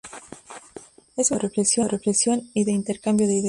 Es un espacio de reflexión y de intercambio de ideas.